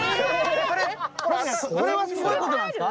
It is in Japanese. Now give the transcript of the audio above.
それはすごいことなんですか？